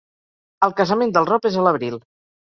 El casament del Rob és a l'Abril.